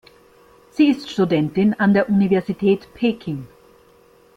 Sie ist Studentin an der Universität Peking.